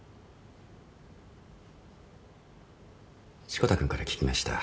志子田君から聞きました。